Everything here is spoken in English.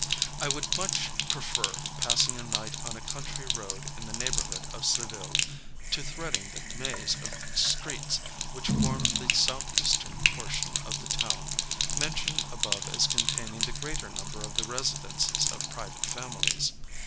I would much prefer passing a night on a country road in the neighbourhood of Seville, to threading the maze of streets, which form the south eastern portion of the town, mentioned above as containing the greater number of the residences of private families.